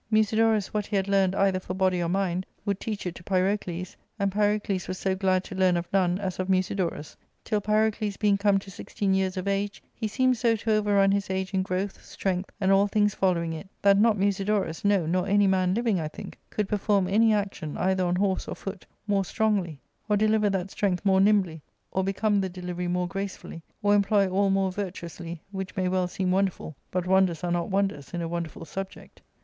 Musidorus what he had learned either for body 0T^ mind would teach it to Pyrocles, and Pyrocles was so glad to learn of none as of Musidorus ; till Pyrocles being come to sixteen years of age, he seemed so to overrun his age in growth, strength, and all things follow ing it, that not Musidorus, no, nor any man hving, I think, could perform any action, either on horse or foot, more strongly, or deliver that strength more nimbly, or become the delivery more gracefully, or employ all more virtuously, which may well seem wonderful: but wonders are not wonders in a wonderful subject.